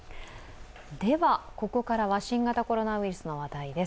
ここからは新型コロナウイルスの話題です。